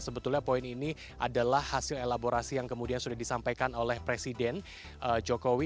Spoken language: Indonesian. sebetulnya poin ini adalah hasil elaborasi yang kemudian sudah disampaikan oleh presiden jokowi